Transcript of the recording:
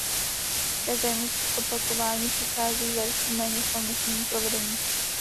Každému z opakování předchází verš v méně slavnostním provedení.